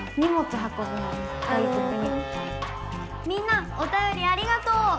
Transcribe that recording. みんなおたよりありがとう！